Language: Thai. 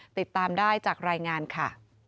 ติดตามได้จากรายงานค่ะ